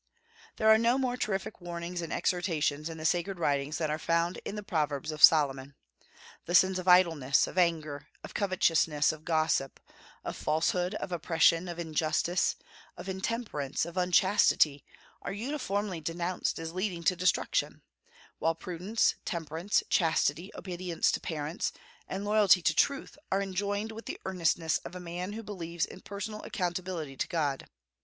There are no more terrific warnings and exhortations in the sacred writings than are found in the Proverbs of Solomon. The sins of idleness, of anger, of covetousness, of gossip, of falsehood, of oppression, of injustice, of intemperance, of unchastity, are uniformly denounced as leading to destruction; while prudence, temperance, chastity, obedience to parents, and loyalty to truth are enjoined with the earnestness of a man who believes in personal accountability to God.